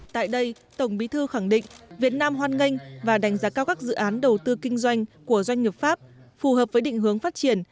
tại đây tổng bí thư khẳng định việt nam hoan nghênh và đánh giá cao các dự án đầu tư kinh doanh của doanh nghiệp pháp phù hợp với định hướng phát triển